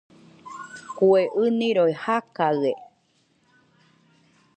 Kue ɨniroi jakaɨe